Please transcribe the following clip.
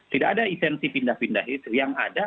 tidak ada esensi pindah pindah itu yang ada